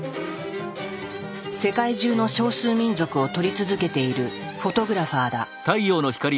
世界中の少数民族を撮り続けているフォトグラファーだ。